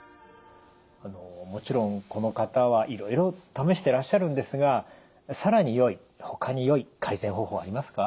もちろんこの方はいろいろ試してらっしゃるんですが更によいほかによい改善方法はありますか？